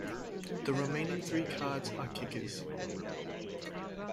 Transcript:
The remaining three cards are kickers.